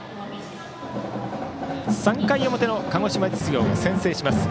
３回の表、鹿児島実業が先制します。